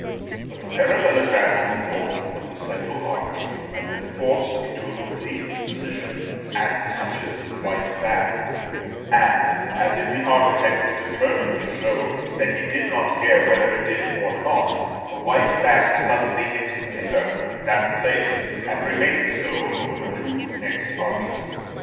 But the parallelogram on the north of the central arch has been forced into an oblique position, and touches the white band; and, as if the architect was determined to show that he did not care whether it did or not, the white band suddenly gets thicker at that place, and remains so over the two next arches.